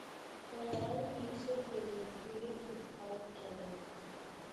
Prolonged usage was reputed to cause blindness.